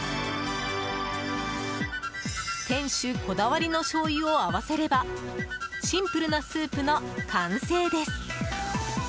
店主こだわりのしょうゆを合わせればシンプルなスープの完成です。